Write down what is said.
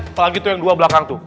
apalagi tuh yang dua belakang tuh